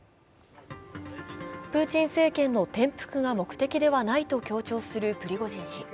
プーチン政権の転覆が目的ではないと強調するプリゴジン氏。